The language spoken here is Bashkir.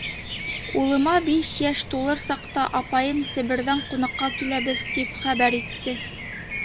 Улыма биш йәш тулыр саҡта апайым, Себерҙән ҡунаҡҡа киләбеҙ, тип хәбәр итте.